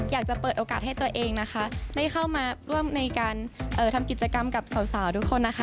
อยากจะเปิดโอกาสให้ตัวเองนะคะได้เข้ามาร่วมในการทำกิจกรรมกับสาวทุกคนนะคะ